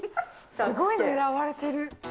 すごい狙われてる。